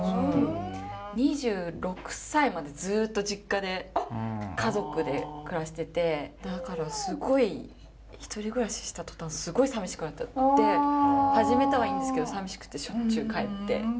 ２６歳までずっと実家で家族で暮らしててだからすごい１人暮らしした途端すごいさみしくなっちゃって始めたはいいんですけどさみしくてしょっちゅう帰って。